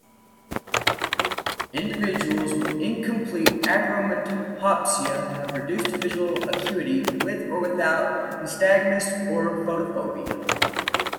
Individuals with incomplete achromatopsia have reduced visual acuity with or without nystagmus or photophobia.